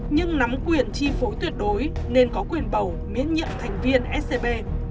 nhưng nắm quyền chi phối tuyệt đối nên có quyền bầu miễn nhiệm thành viên scb